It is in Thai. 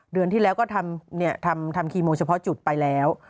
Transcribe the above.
เดือนที่แล้วก็ทำคีโมเฉพาะจุดไปแล้ว